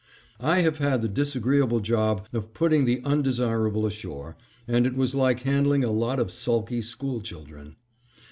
I have had the disagreeable job of putting the undesirable ashore, and it was like handling a lot of sulky school children.